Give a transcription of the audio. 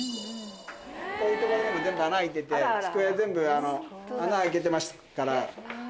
こういう所にも全部穴開いてて机全部穴開けてますから。